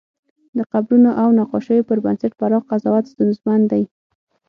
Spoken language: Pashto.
د قبرونو او نقاشیو پر بنسټ پراخ قضاوت ستونزمن دی.